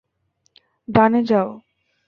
ডানে যাও।